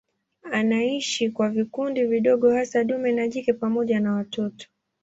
Anaishi kwa vikundi vidogo hasa dume na jike pamoja na watoto.